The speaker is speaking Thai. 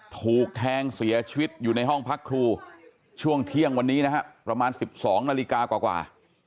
ถูกแทงเสียชีวิตอยู่ในห้องพักครูช่วงเที่ยงวันนี้นะฮะประมาณ๑๒นาฬิกากว่า